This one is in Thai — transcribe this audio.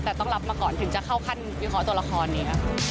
แต่ต้องรับมาก่อนถึงจะเข้าขั้นวิเคราะห์ตัวละครนี้